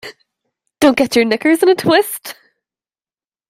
Don't get your knickers in a twist